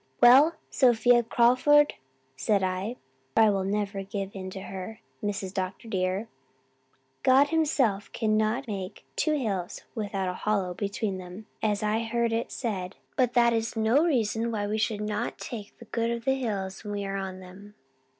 'Well, Sophia Crawford,' said I, for I will never give in to her, Mrs. Dr. dear 'God himself cannot make two hills without a hollow between them, as I have heard it said, but that is no reason why we should not take the good of the hills when we are on them.'